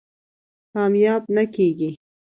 کامیاب نه کېږي.